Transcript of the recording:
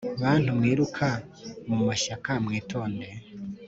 bantu mwiruka mu mashyaka mwitonde